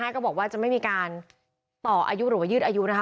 ก็บอกว่าจะไม่มีการต่ออายุหรือว่ายืดอายุนะคะ